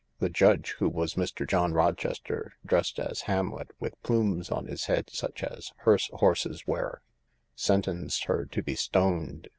The judge, who was Mr. John Rochester dressed as Hamlet with plumes on his head such as hearse horses wear, sentenced her to be stoned.